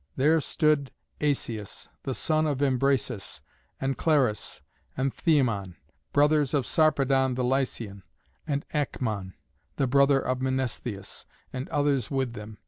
There stood Asius, the son of Imbrasus, and Clarus and Themon, brothers of Sarpedon the Lycian, and Acmon, the brother of Mnestheus, and others with them.